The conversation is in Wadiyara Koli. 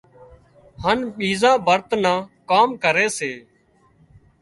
هانَ ٻيزان ڀرت نان ڪام ڪري سي